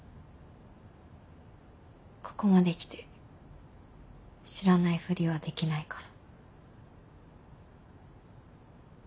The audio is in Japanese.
ここまで来て知らないフリはできないから。